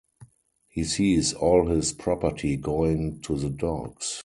He sees all his property going to the dogs.